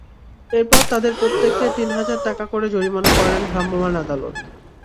এরপর তাঁদের প্রত্যেককে তিন হাজার টাকা করে জরিমানা করেন ভ্রাম্যমাণ আদালত।